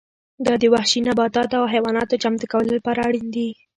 دا د وحشي نباتاتو او حیواناتو چمتو کولو لپاره اړین دي